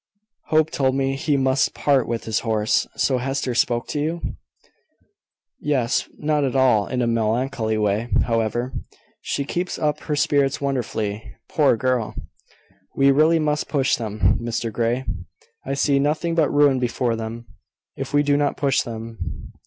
Hope told me he must part with his horse. So Hester spoke to you?" "Yes: not at all in a melancholy way, however. She keeps up her spirits wonderfully, poor girl! We really must push them, Mr Grey. I see nothing but ruin before them, if we do not push them."